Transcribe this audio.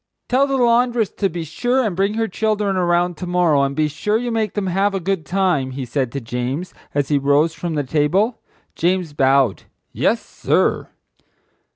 "Tell the laundress to be sure and bring her children around to morrow, and be sure you make them have a good time," he said to James, as he rose from the table. James bowed. "Yes, sir."